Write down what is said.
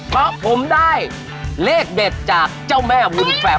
เพราะผมได้เลขเด็ดจากเจ้าแม่บุญแฟม